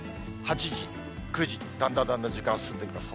８時、９時、だんだんだんだん時間を進めていきます。